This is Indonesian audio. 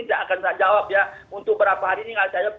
nggak akan saya jawab ya untuk berapa hari ini nggak jawab